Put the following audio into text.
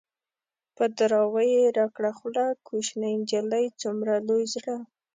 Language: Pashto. په دراوۍ يې راکړه خوله - کوشنی نجلۍ څومره لوی زړه